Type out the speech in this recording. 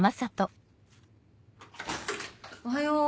おはよう。